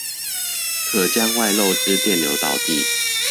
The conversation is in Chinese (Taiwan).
可將外漏之電流導地